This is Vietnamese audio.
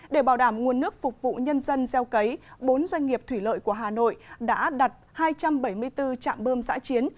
để bảo đảm nguồn nước phục vụ nhân dân gieo cấy bốn doanh nghiệp thủy lợi của hà nội đã đặt hai trăm bảy mươi bốn trạm bơm giã chiến